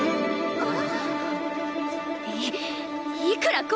あっ。